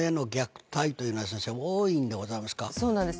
そうなんです